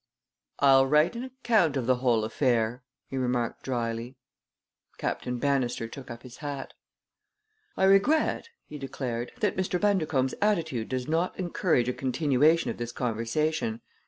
"I'll write an account of the whole affair," he remarked dryly. Captain Bannister took up his hat. "I regret," he declared, "that Mr. Bundercombe's attitude does not encourage a continuation of this conversation.